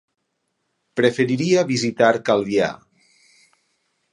Preferiria visitar Calvià.